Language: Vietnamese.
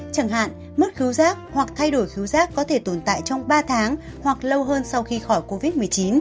chẳng hạn mất khứu giác hoặc thay đổi khứu giác có thể tồn tại trong ba tháng hoặc lâu hơn sau khi khỏi covid một mươi chín